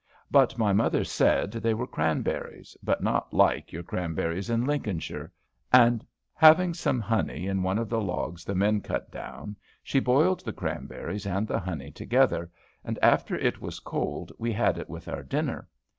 But my mother said they were cranberries, but not like your cranberries in Lincolnshire. And, having some honey in one of the logs the men cut down, she boiled the cranberries and the honey together, and after it was cold we had it with our dinner.